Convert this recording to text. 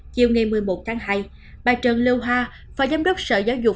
chiều ngày một mươi một tháng hai bà trần liêu hoa phó giám đốc sở giáo dục